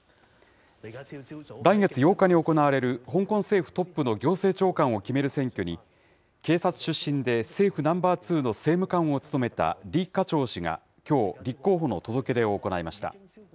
来月８日に行われる香港政府トップの行政長官を決める選挙に、警察出身で政府ナンバー２の政務官を務めた李家超氏がきょう、立候補の届け出を行いました。